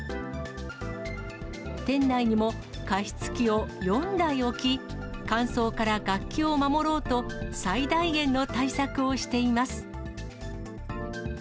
店内にも、加湿器を４台置き、乾燥から楽器を守ろうと、最大限の対策をしています。